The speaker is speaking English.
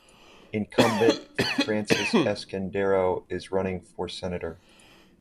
Incumbent Francis Escudero is running for Senator.